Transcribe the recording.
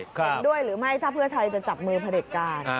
เห็นด้วยหรือไม่ถ้าเพื่อไทยจะจับมือผลิตการ